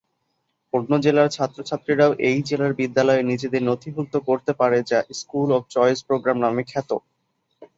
অন্য জেলার ছাত্র-ছাত্রীরাও এই জেলার বিদ্যালয়ে নিজেদের নথিভুক্ত করতে পারে যা "স্কুল অব্ চয়েস প্রোগ্রাম" নামে খ্যাত।